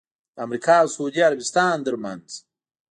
د امریکا اوسعودي عربستان ترمنځ